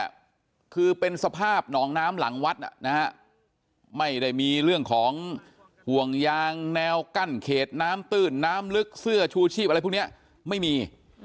คือเป็นสภาพหนองน้ำหลังวัดนะฮะไม่ได้มีเรื่องของห่วงยางแนวกั้นเขตน้ำตื้นน้ำลึกเสื้อชูชีพอะไรพวกนี้ไม่มี